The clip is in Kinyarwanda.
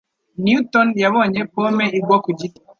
Newton yabonye pome igwa ku giti.